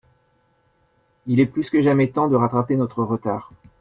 Il est plus que jamais temps de rattraper notre retard.